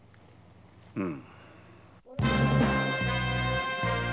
うん。